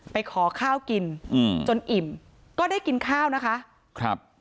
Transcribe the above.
ขอข้าวกินอืมจนอิ่มก็ได้กินข้าวนะคะครับ